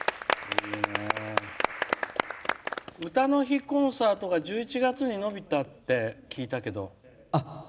「うたの日コンサート」が１１月に延びたって聞いたけど。